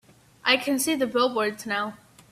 I can see the billboards now.